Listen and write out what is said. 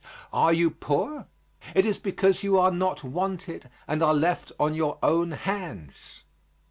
Are you poor? It is because you are not wanted and are left on your own hands.